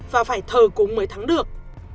và phải thờ cúng mới thắng được